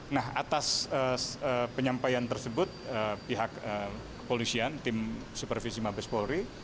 nah atas penyampaian tersebut pihak kepolisian tim supervisi mabes polri